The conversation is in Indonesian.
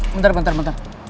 bentar bentar bentar